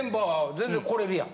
全然来れるやん。